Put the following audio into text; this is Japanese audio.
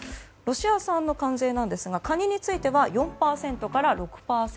ロシア産の関税ですがカニについては４％から６％。